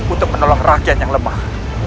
untuk menolong rakyat yang lemah